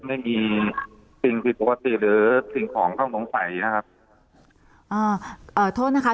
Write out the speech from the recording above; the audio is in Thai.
ไม่มีสิ่งผิดปกติหรือสิ่งของต้องสงสัยนะครับอ่าเอ่อโทษนะคะ